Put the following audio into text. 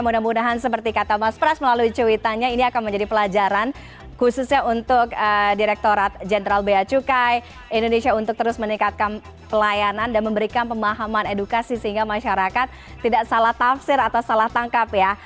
mudah mudahan seperti kata mas pras melalui cuitannya ini akan menjadi pelajaran khususnya untuk direkturat jenderal bea cukai indonesia untuk terus meningkatkan pelayanan dan memberikan pemahaman edukasi sehingga masyarakat tidak salah tafsir atau salah tangkap ya